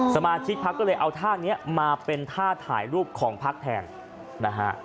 สมาชิกพักก็เลยเอาท่านี้มาเป็นท่าถ่ายรูปของพักแทนนะฮะ